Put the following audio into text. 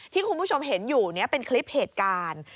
ที่คุณผู้ชมเห็นอยู่นี้เป็นคลิปเหตุการณ์